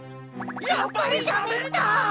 やっぱりしゃべった！